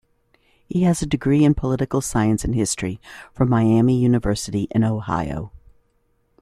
He has a degree in political science and history from Miami University in Ohio.